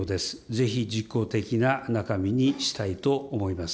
ぜひ実効的な中身にしたいと思います。